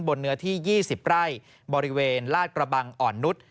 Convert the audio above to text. เนื้อที่๒๐ไร่บริเวณลาดกระบังอ่อนนุษย์